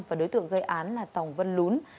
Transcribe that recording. và đối tượng gây án là tòng văn lún